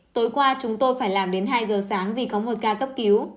tối qua chúng tôi phải làm đến hai giờ sáng vì có một ca cấp cứu